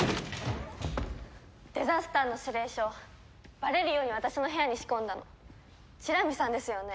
デザスターの指令書バレるように私の部屋に仕込んだのチラミさんですよね？